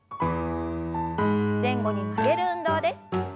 前後に曲げる運動です。